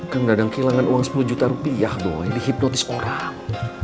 kang dadang kehilangan uang sepuluh juta rupiah bahwa yang dihipnotis orang